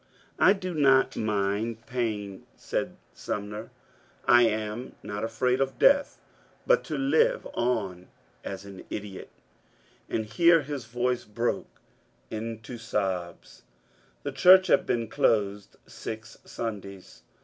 ^' I do not mind pain,'* said Sumner ;'^ I am not afraid of death, but to lire on as an idiot "— and here his voice broke into sobs. The church had been closed six Sundays.